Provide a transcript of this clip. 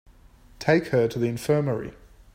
Take her to the infirmary.